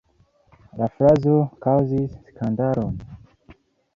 La frazo kaŭzis skandalon.